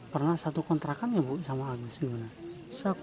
pernah satu kontrakan ya bu sama agus gimana